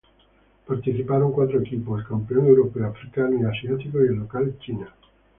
Participaron cuatro equipos, el campeón europeo, africano y asiático y el local China.